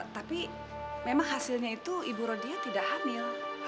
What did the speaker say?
tapi memang hasilnya itu ibu rodia tidak hamil